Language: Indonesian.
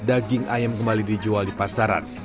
daging ayam kembali dijualan